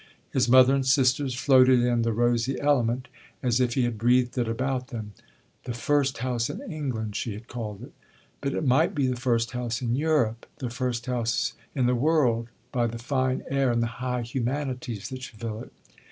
His mother and sisters floated in the rosy element as if he had breathed it about them. "The first house in England" she had called it; but it might be the first house in Europe, the first in the world, by the fine air and the high humanities that should fill it.